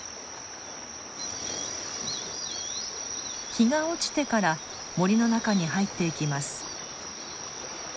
日が落ちてから森の中に入っていきます。